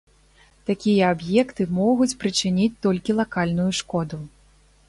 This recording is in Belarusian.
Такія аб'екты могуць прычыніць толькі лакальную шкоду.